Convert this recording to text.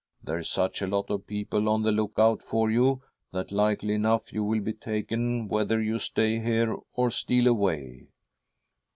' There's such a lot of people on the look out ior you that, likely enough, you will be taken whether you stay here or steal away.'